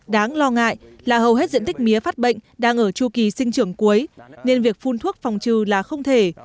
đáng lo ngại là hầu hết diện tích mía phát bệnh đang ở chu kỳ sinh trưởng cuối nên việc phun thuốc phòng trừ là không thể